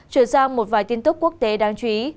chuyển sang một vài tin tức quốc tế đáng chú ý